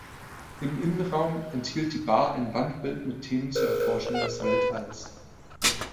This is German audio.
Im Innenraum enthielt die Bar ein Wandbild mit Themen zur Erforschung des Weltalls.